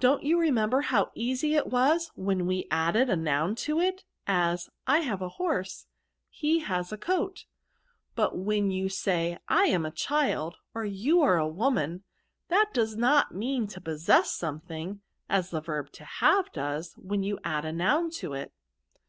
Don't you remember how easy it was when we added a noun to it, as, I have a horse, he has a coat ? But when you say, I am a child, or you are a woman, that does not mean to possess something, as the verb to have does when you add a noun to it.'